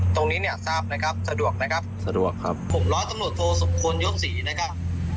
ตรงนี้เนี่ยทราบนะครับสะดวกนะครับสะดวกครับหกร้อยตำรวจโทสมควรย้มศรีนะครับ